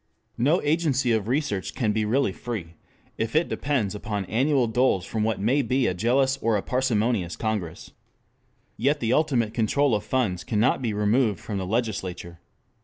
No agency of research can be really free if it depends upon annual doles from what may be a jealous or a parsimonious congress. Yet the ultimate control of funds cannot be removed from the legislature.